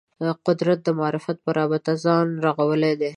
قدرت د معرفت په رابطه ځان رغولی دی